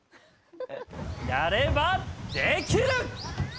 やればできる！